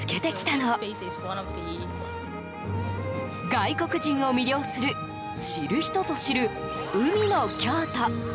外国人を魅了する知る人ぞ知る海の京都。